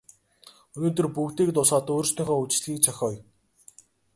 Өнөөдөр бүгдийг дуусгаад өөрсдийнхөө үдэшлэгийг зохиоё.